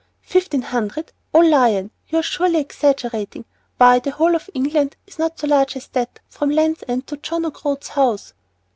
"Fifteen hundred! oh, Lion, you are surely exaggerating. Why, the whole of England is not so large as that, from Land's End to John O'Groat's House."